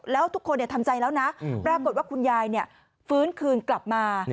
แล้วทุกคนทำใจแล้วนะปรากฏว่าคุณยายฟื้นคืนกลับมา